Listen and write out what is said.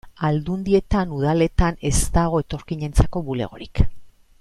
Aldundietan, udaletan, ez dago etorkinentzako bulegorik.